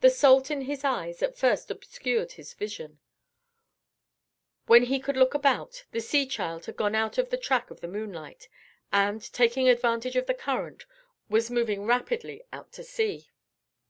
The salt in his eyes at first obscured his vision. When he could look about, the sea child had gone out of the track of the moonlight, and, taking advantage of the current, was moving rapidly out to sea.